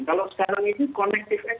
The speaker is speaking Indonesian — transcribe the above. kalau sekarang ini kolektif